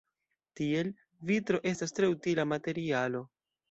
Tiel, vitro estas tre utila materialo.